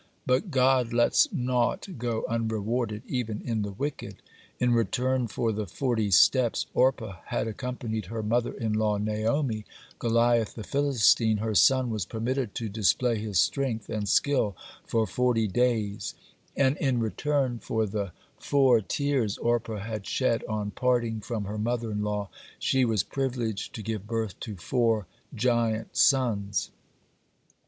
(29) But God lets naught go unrewarded, even in the wicked. In return for the forty steps Orpah had accompanied her mother in law Naomi, (30) Goliath the Philistine, her son, was permitted to display his strength and skill for forty days, and in return for the four tears Orpah had shed on parting from her mother in law, she was privileged to give birth to four giant sons.